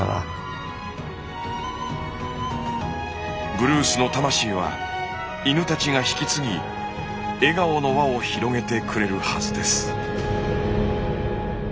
ブルースの魂は犬たちが引き継ぎ笑顔の輪を広げてくれるはずです。